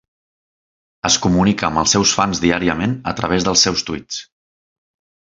Es comunica amb els seus fans diàriament a través dels seus tweets.